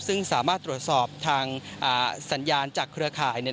ซึ่งสามารถตรวจสอบทางสัญญาณจากเครือข่ายเนี่ย